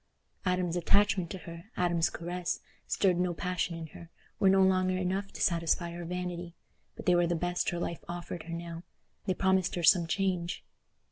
Adam's attachment to her, Adam's caress, stirred no passion in her, were no longer enough to satisfy her vanity, but they were the best her life offered her now—they promised her some change.